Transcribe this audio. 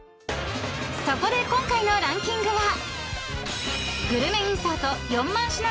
［そこで今回のランキングは］